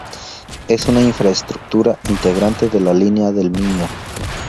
Es una infraestructura integrante de la Línea del Miño.